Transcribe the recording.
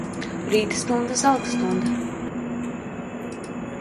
Rīta stunda, zelta stunda.